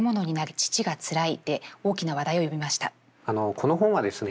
この本はですね